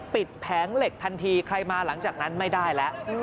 แผงเหล็กทันทีใครมาหลังจากนั้นไม่ได้แล้ว